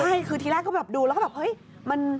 ใช่คือทีแรกก็แบบดูแล้วก็แบบเฮ้ย